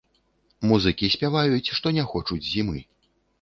Музыкі спяваюць, што не хочуць зімы.